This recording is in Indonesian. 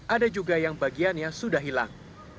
ada juga yang bagiannya sudah hilang